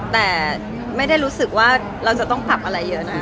แต่ไม่ได้รู้สึกว่าเราจะต้องปรับอะไรเยอะนะ